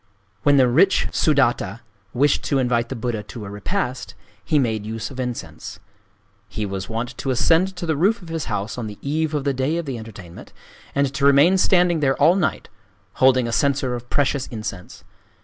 When the rich Sudatta wished to invite the Buddha to a repast, he made use of incense. He was wont to ascend to the roof of his house on the eve of the day of the entertainment, and to remain standing there all night, holding a censer of precious incense.